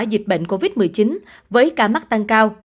dịch bệnh covid một mươi chín với ca mắc tăng cao